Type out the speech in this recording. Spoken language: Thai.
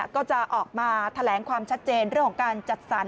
ก็จะออกมาแถลงความชัดเจนเรื่องของการจัดสรร